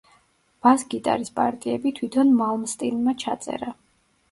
ბას გიტარის პარტიები თვითონ მალმსტინმა ჩაწერა.